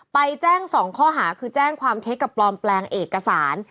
ไปแจ้ง๒ข้อหาคือแจ้งความเท็จกับปลอมแปลงเอกสาร